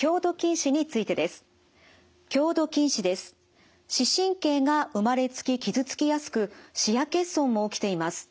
視神経が生まれつき傷つきやすく視野欠損も起きています。